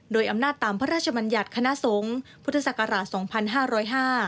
โดยอำนาจตามพระราชมัญญัติคณะสงฆ์พุทธศักราช๒๕๐๕